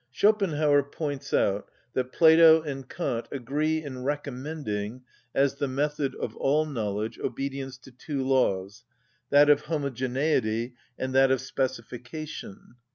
Schopenhauer points out that Plato and Kant agree in recommending, as the method of all knowledge, obedience to two laws:—that of Homogeneity, and that of Specification.